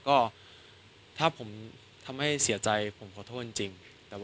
ก็ถ้าผมทำให้เสียใจผมขอโทษจริง